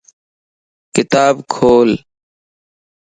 ڪتاب کول